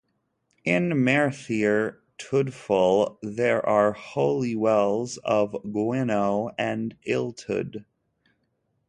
In Merthyr Tudful there are holy wells of Gwynno and Illtud.